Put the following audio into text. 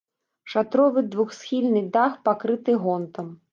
Шатровы двухсхільны дах пакрыты гонтам.